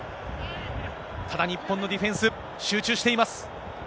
ただ、日本のディフェンス、集中しています。